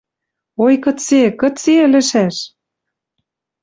Ой, кыце, кыце ӹлӹшӓш?